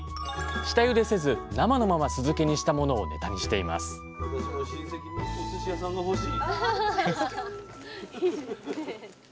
下ゆでせず生のまま酢漬けにしたものをネタにしていますすごい。